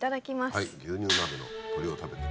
はい牛乳鍋の鶏を食べて。